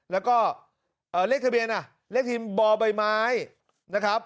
แล้วก็เอ่อเลขทะเบียนอ่ะเลขทีมบ่อใบไม้นะครับ